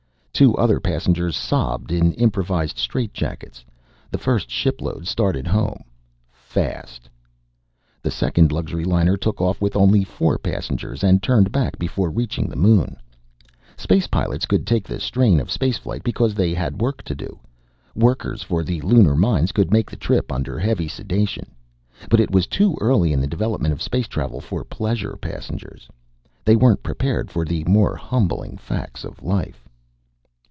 Two other passengers sobbed in improvised strait jackets. The first shipload started home. Fast. The second luxury liner took off with only four passengers and turned back before reaching the Moon. Space pilots could take the strain of space flight because they had work to do. Workers for the lunar mines could make the trip under heavy sedation. But it was too early in the development of space travel for pleasure passengers. They weren't prepared for the more humbling facts of life.